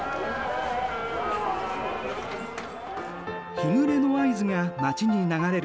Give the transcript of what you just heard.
日暮れの合図が街に流れる。